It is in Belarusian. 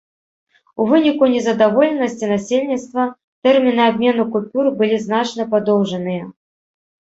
У выніку незадаволенасці насельніцтва тэрміны абмену купюр былі значна падоўжаныя.